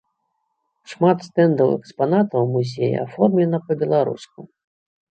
Шмат стэндаў экспанатаў музея аформлена па-беларуску.